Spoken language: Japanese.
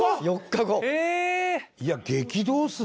４日後。